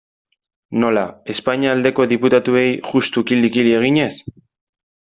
Nola, Espainia aldeko diputatuei juxtu kili-kili eginez?